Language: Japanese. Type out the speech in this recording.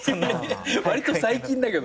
わりと最近だけど。